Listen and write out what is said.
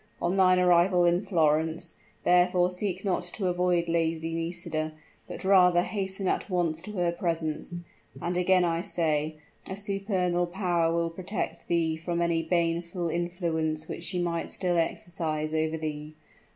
On thine arrival in Florence, therefore, seek not to avoid Lady Nisida; but rather hasten at once to her presence and again I say, a supernal power will protect thee from any baneful influence which she might still exercise over thee.